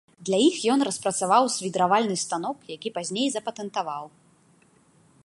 Для іх ён распрацаваў свідравальны станок, які пазней запатэнтаваў.